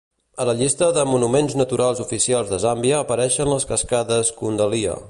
A la llista de Monuments Naturals oficials de Zàmbia apareixen les cascades Kundalia.